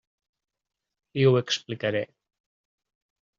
Li ho explicaré.